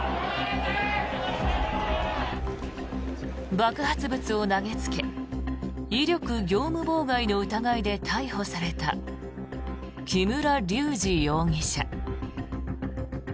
爆発物を投げつけ威力業務妨害の疑いで逮捕された木村隆二容疑者。